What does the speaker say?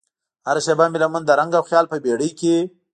هره شیبه مې لمن د رنګ او خیال په بیړۍ کې